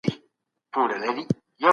ملي شورا هوایي حریم نه بندوي.